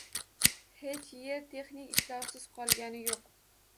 Hech yer texnik ishlovsiz qolgani yo‘q.